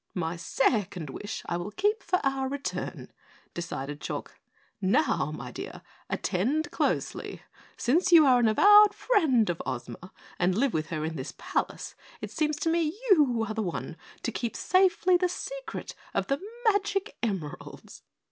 "My second wish I will keep for our return," decided Chalk. "Now, my dear, attend closely. Since you are the avowed friend of Ozma and live with her in this palace, it seems to me you are the one to keep safely the secret of the magic emeralds."